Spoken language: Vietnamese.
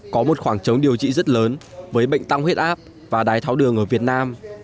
có một khoảng trống điều trị rất lớn với bệnh tăng huyết áp và đái tháo đường ở việt nam